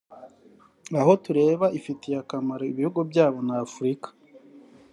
aho tureba ifitiye akamaro ibihugu byabo na Afurika